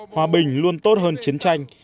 hòa bình luôn tốt hơn chiến tranh